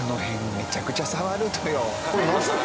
めちゃくちゃ触るのよ。